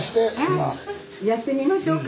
やってみましょうか？